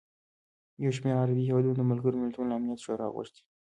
یوشمېر عربي هېوادونو د ملګروملتونو له امنیت شورا غوښتي